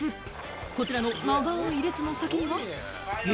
こちらの長い列の先には、え？